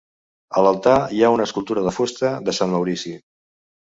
A l'altar hi ha una escultura de fusta de Sant Maurici.